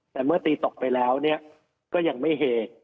แต่เมื่อตีตกไปแล้วก็ยังไม่เฮ